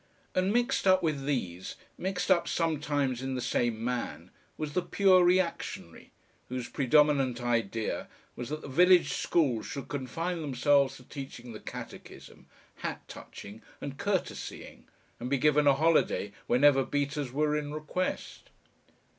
And mixed up with these, mixed up sometimes in the same man, was the pure reactionary, whose predominant idea was that the village schools should confine themselves to teaching the catechism, hat touching and courtesying, and be given a holiday whenever beaters were in request....